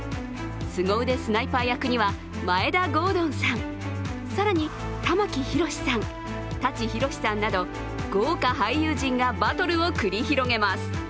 すご腕スナイパー役には眞栄田郷敦さん、更に玉木宏さん、舘ひろしさんなど、豪華俳優陣がバトルを繰り広げます。